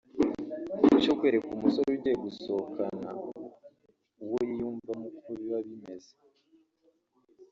Icya kwereka umusore ugiye gusohokana uwo yiyunvamo uko biba bimeze